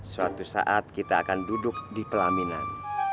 suatu saat kita akan duduk di pelaminan